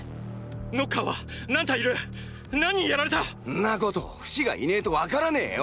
ノッカーは何体いる⁉何人やられた⁉ンなことフシがいねえとわからねェよ！